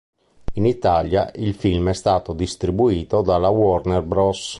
In Italia il film è stato distribuito dalla Warner Bros.